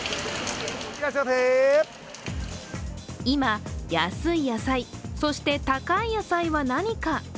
今、安い野菜、そして高い野菜は何か。